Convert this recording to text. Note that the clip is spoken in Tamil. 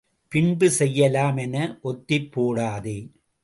பின்பு செய்யலாம் என ஒத்திப் போடாதே!